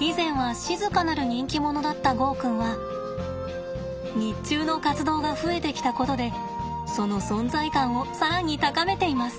以前は静かなる人気者だったゴーくんは日中の活動が増えてきたことでその存在感を更に高めています。